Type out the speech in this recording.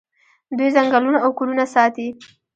دوی ځنګلونه او کورونه ساتي.